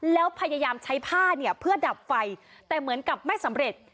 แล้วพยายามใช้ผ้าเนี่ยเพื่อดับไฟแต่เหมือนกับไม่สำเร็จ